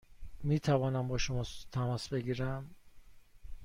می توانم با شما تماس بگیرم؟